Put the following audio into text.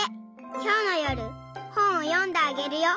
きょうのよるほんをよんであげるよ。